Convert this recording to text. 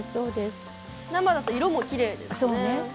生だと色もきれいですね。